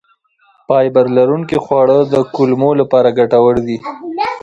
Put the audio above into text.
فایبر لرونکي خواړه د کولمو لپاره ګټور دي.